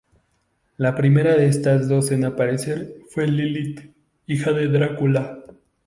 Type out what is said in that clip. La primera de estas dos en aparecer fue Lilith, la hija de Drácula.